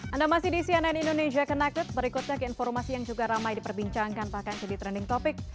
anda masih di cnn indonesia connected berikutnya ke informasi yang juga ramai diperbincangkan bahkan jadi trending topic